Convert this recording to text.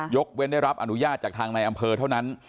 กเว้นได้รับอนุญาตจากทางในอำเภอเท่านั้น